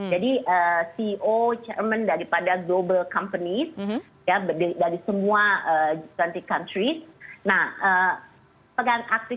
jadi ceo chairman dari global company dari semua country